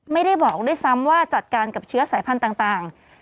ไม่ได้บอกด้วยซ้ำว่าจัดการกับเชื้อสายพันธุ์ต่าง